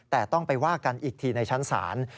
แต่ต้องไปว่ากันอีกทีในชั้นศาล